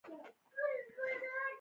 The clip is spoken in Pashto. د زوی نه لرل د ښځې د ارزښت کمښت نه ښيي.